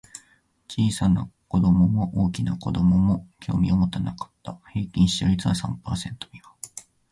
小さな子供も大きな子供も興味を持たなかった。平均視聴率は三パーセント未満。